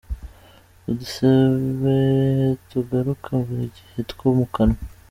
Udusebe tugaruka buri gihe two mu kanwa,.